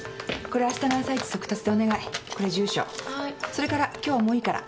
それから今日はもういいから。